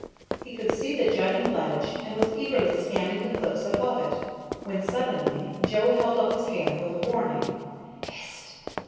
He could see the jutting ledge, and was eagerly scanning the cliffs above it, when suddenly Joe held up his hand with a warning "Hist!"